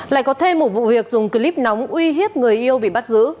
lại có thêm một vụ việc dùng clip nóng uy hiếp người yêu bị bắt giữ